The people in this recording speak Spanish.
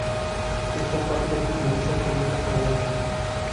Esta parte finaliza con una "cadenza".